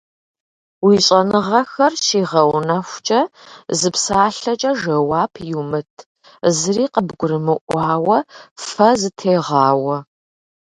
Уи щӏэныгъэр щигъэунэхукӏэ, зы псалъэкӏэ жэуап иумыт, зыри къыбгурмыӏуауэ фэ зытегъауэ.